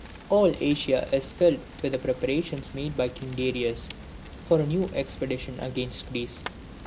All Asia is filled with the preparations made by King Darius for a new expedition against Greece.